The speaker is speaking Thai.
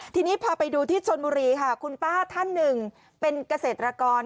ทีนี้พอไปดูที่ชนบุรีค่ะคุณป้าท่านหนึ่งเป็นเกษตรกร